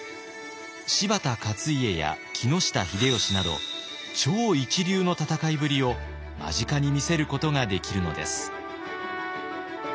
柴田勝家や木下秀吉など超一流の戦いぶりを間近に見せることができるのです。